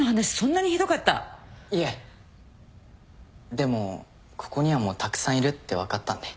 でもここにはもうたくさんいるって分かったんで。